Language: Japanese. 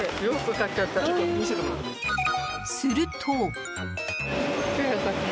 すると。